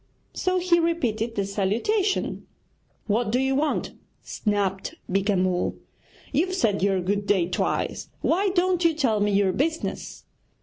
So he repeated the salutation. 'What do you want?' snapped Beeka Mull; 'you've said your "good day" twice, why don't you tell me your business?'